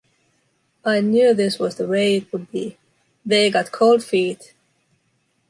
I knew this was the way it would be. They got cold feet.